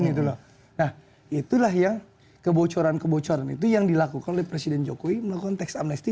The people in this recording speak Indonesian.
nah itulah yang kebocoran kebocoran itu yang dilakukan oleh presiden jokowi melakukan teks amnesti